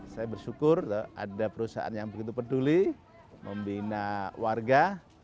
saya bersyukur ada perusahaan yang begitu peduli membina warga